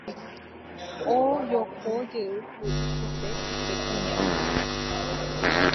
ojokojeýkuri chupe upe kuña